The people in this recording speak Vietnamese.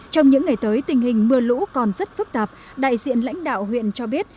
trong những ngày tới tình hình mưa lũ còn rất phức tạp đại diện lãnh đạo huyện cho biết